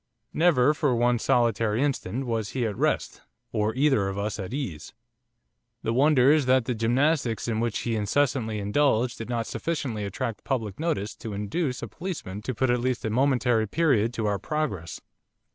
Never, for one solitary instant, was he at rest, or either of us at ease. The wonder is that the gymnastics in which he incessantly indulged did not sufficiently attract public notice to induce a policeman to put at least a momentary period to our progress.